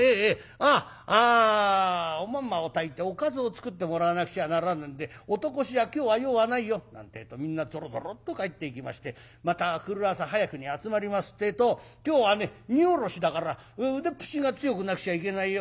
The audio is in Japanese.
ああおまんまを炊いておかずを作ってもらわなくちゃならねえんで男衆は今日は用はないよ」なんてえとみんなぞろぞろっと帰っていきましてまた明くる朝早くに集まりますてえと「今日はね荷降ろしだから腕っぷしが強くなくちゃいけないよ。